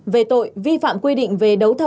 về tội vi phạm quy định về đấu thầu